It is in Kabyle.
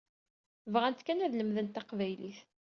Bɣant kan ad lemdent taqbaylit.